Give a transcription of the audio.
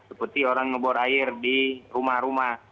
seperti orang ngebor air di rumah rumah